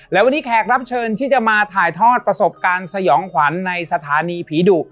และวันนี้แขกรับเชิญที่จะมาถ่ายทอดประสบการณ์สยองขวัญในสถานีผีดุ